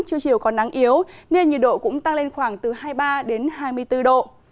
trưa chiều còn nắng yếu nên nhiệt độ cũng tăng lên khoảng từ hai mươi ba đến hai mươi bốn độ